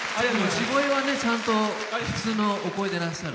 地声はちゃんと普通のお声でいらっしゃる。